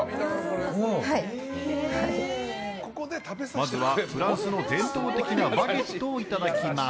まずはフランスの伝統的なバゲットをいただきます。